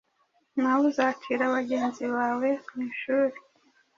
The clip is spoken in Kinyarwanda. nawe uzacira bagenzi bawe mu ishuri